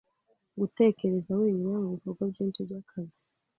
gutekereza wenyine Mubikorwa byinshi byakazi